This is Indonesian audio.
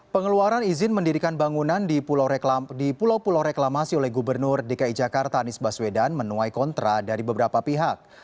pengeluaran izin mendirikan bangunan di pulau pulau reklamasi oleh gubernur dki jakarta anies baswedan menuai kontra dari beberapa pihak